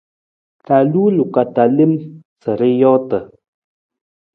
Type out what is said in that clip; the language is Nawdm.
Ra luu loko ta lem sa ra joota.